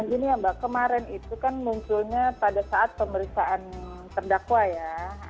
ini ya mbak kemarin itu kan munculnya pada saat pemeriksaan terdakwa ya